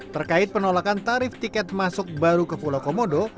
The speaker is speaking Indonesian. terkait penolakan tarif tiket masuk baru ke pulau komodo